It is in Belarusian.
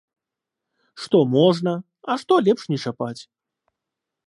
Што можна, а што лепш не чапаць.